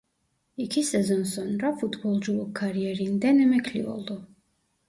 İki sezon sonra futbolculuk kariyerinden emekli oldu.